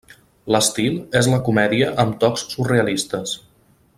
L'estil és la comèdia amb tocs surrealistes.